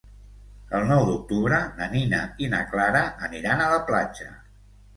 El nou d'octubre na Nina i na Clara aniran a la platja.